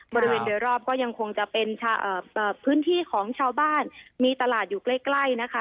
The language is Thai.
บริเวณโดยรอบก็ยังคงจะเป็นพื้นที่ของชาวบ้านมีตลาดอยู่ใกล้ใกล้นะคะ